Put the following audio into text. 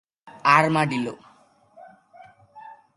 এদের দেহের বেড় বরাবর বলয় রয়েছে।